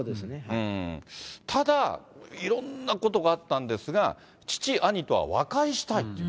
ただ、いろんなことがあったんですが、父、兄とは和解したいと。